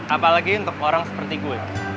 apalagi untuk orang seperti gue